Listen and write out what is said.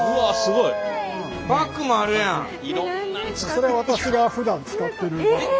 それ私がふだん使ってるバッグ。